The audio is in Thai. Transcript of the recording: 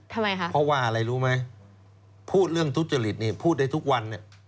ทำไมคะเพราะว่าอะไรรู้ไหมพูดเรื่องทุจริตนี่พูดได้ทุกวันเนี่ย